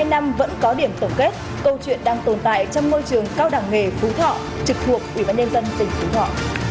vì học hai năm vẫn có điểm tổng kết câu chuyện đang tồn tại trong môi trường cao đẳng nghề phú thọ trực thuộc ủy ban nhân dân trình phú thọ